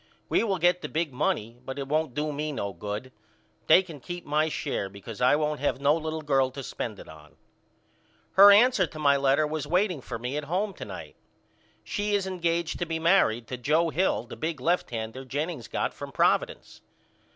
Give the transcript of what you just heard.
We will get the big money but it won't do me no good. They can keep my share because I won't have no little girl to spend it on. Her answer to my letter was waiting for me at home tonight. She is engaged to be married to Joe Hill the big lefthander Jennings got from Providence.